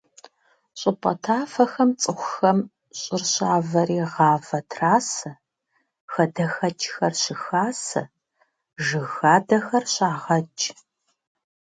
ЩӀыпӀэ тафэхэм цӀыхухэм щӀыр щавэри гъавэ трасэ, хадэхэкӀхэр щыхасэ, жыг хадэхэр щагъэкӀ.